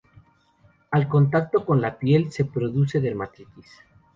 Al contacto con la piel, se produce dermatitis.